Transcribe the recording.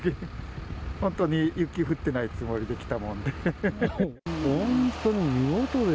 本当に雪降ってないつもりで来たもんで。